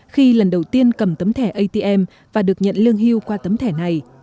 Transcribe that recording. khi lần đầu tiên cầm tấm thẻ atm và được nhận lương hưu qua tấm thẻ này